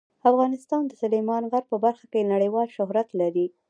افغانستان د سلیمان غر په برخه کې نړیوال شهرت لري.